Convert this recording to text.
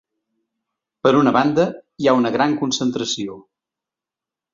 Per una banda, hi ha una gran concentració.